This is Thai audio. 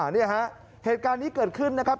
นี่ฮะเหตุการณ์นี้เกิดขึ้นนะครับ